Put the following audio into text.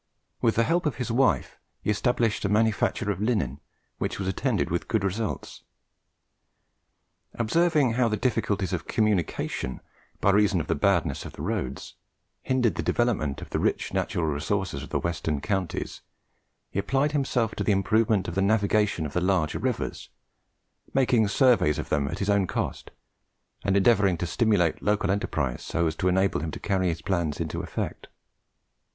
With the help of his wife, he established a manufacture of linen, which was attended with good results. Observing how the difficulties of communication, by reason of the badness of the roads, hindered the development of the rich natural resources of the western counties, he applied himself to the improvement of the navigation of the larger rivers, making surveys of them at his own cost, and endeavouring to stimulate local enterprise so as to enable him to carry his plans into effect.